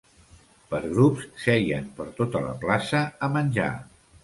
Per grups, seien per tota la plaça, a menjar.